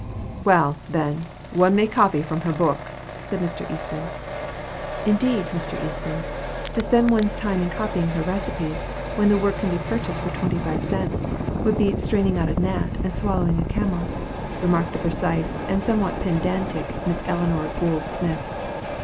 "Well, then, one may copy from her book," said Mr. Eastman. "Indeed, Mr. Eastman, to spend one's time in copying her recipes, when the work can be purchased for twenty five cents, would be 'straining out a gnat, and swallowing a camel,'" remarked the precise and somewhat pedantic Miss Ellinor Gould Smith.